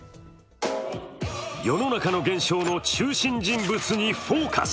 世の中の現象の中心人物に「ＦＯＣＵＳ」。